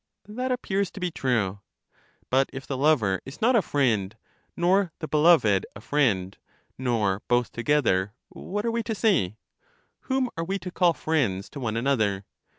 That appears to be true. But if the lover is not a friend, nor the beloved a friend, nor both together, what are we to say? Whom are we to call friends to one another?